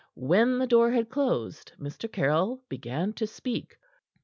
When the door had closed, Mr. Caryll began to speak.